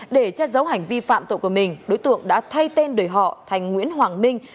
để che giấu hành vi phạm tội của mình đối tượng đã thay tên đổi họ thành nguyễn hoàng minh